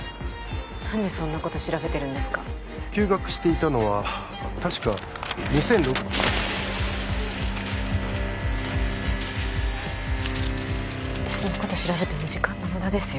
何でそんなこと調べてるんですか休学していたのは確か２００６私のこと調べても時間の無駄ですよ